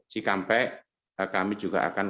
cikampek kami juga akan